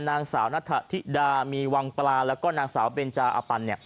นางสาวนัทธิดามีวังปลาแล้วก็นางสาวเบนจาอปัน